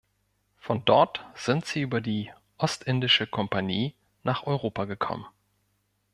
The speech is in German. Von dort sind sie über die Ostindische Compagnie nach Europa gekommen.